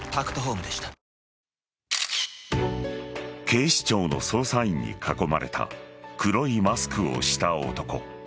警視庁の捜査員に囲まれた黒いマスクをした男。